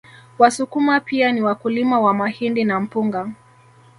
Wasukuma pia ni wakulima wa mahindi na mpunga